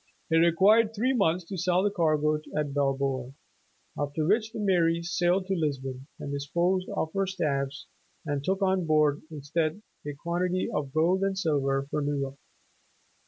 It required three months to sell the cargo at Bilboa, after which the "Mary" sailed to Lisbon and disposed of her staves, and took on board, instead, a quantity of gold and silver for New York.